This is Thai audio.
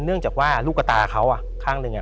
เนื่องจากว่าลูกตาเขาข้างหนึ่ง